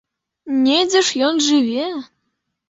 Недзе ж ён жыве!